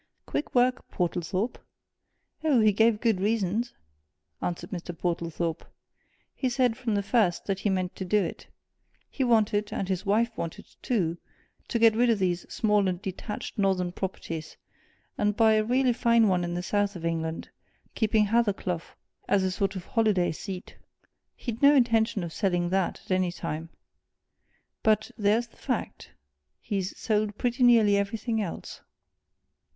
"Quick work, Portlethorpe." "Oh, he gave good reasons!" answered Mr. Portlethorpe. "He said, from the first, that he meant to do it he wanted, and his wife wanted too, to get rid of these small and detached Northern properties, and buy a really fine one in the South of England, keeping Hathercleugh as a sort of holiday seat. He'd no intention of selling that, at any time. But there's the fact! he's sold pretty nearly everything else."